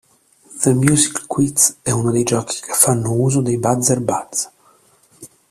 The Music Quiz è uno dei giochi che fanno uso dei Buzzer-Buzz!